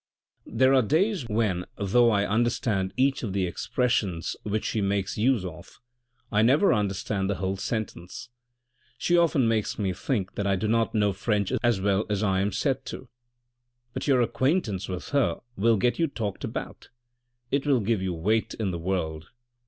" There are days when, though I understand each of the expressions which she makes use of, I never understand the whole sentence. She often makes me think that I do not know French as well as I am said to. But your acquaintance with her will get you talked about ; it will give you weight in the world.